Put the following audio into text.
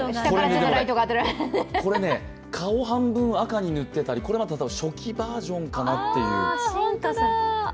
これね、顔半分、赤に塗ってたり、これ初期バージョンかなと。